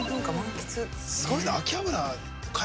すごいな。